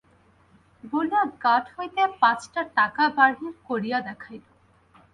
বলিয়া গাঁট হইতে পাঁচটা টাকা বাহির করিয়া দেখাইল।